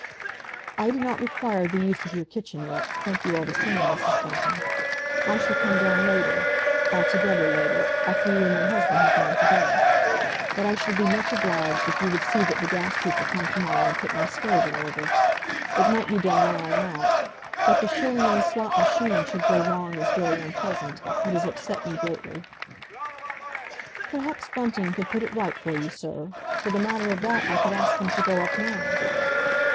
"I do not require the use of your kitchen yet—thank you all the same, Mrs. Bunting. I shall come down later—altogether later—after you and your husband have gone to bed. But I should be much obliged if you would see that the gas people come to morrow and put my stove in order. It might be done while I am out. That the shilling in the slot machine should go wrong is very unpleasant. It has upset me greatly." "Perhaps Bunting could put it right for you, sir. For the matter of that, I could ask him to go up now."